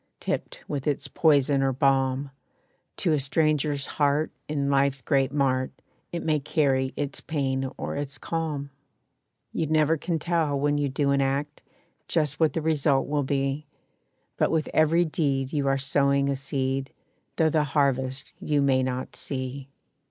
Tipped with its poison or balm, To a stranger's heart in life's great mart, It may carry its pain or its calm. You never can tell when you do an act Just what the result will be; But with every deed you are sowing a seed, Though the harvest you may not see.